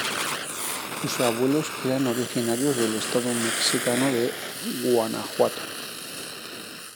Sus abuelos eran originarios del Estado mexicano de Guanajuato.